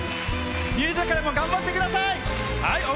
ミュージカルも頑張ってください。